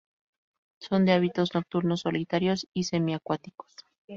Son de hábitos nocturnos, solitarios y semiacuáticos.